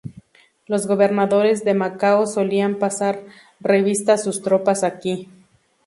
Los gobernadores de Macao solían pasar revista a sus tropas aquí.